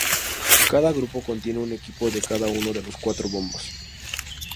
Cada grupo contiene un equipo de cada uno de los cuatro bombos.